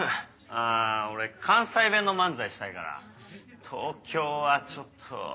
あ俺関西弁の漫才したいから東京はちょっと。